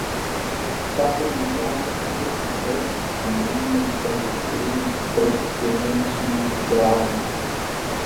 Takom wykein friest it hurd mei minimumtemperatueren omtrint de min tsien graden.